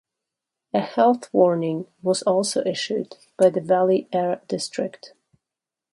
A health warning was also issued by the Valley Air District.